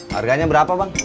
harganya berapa bang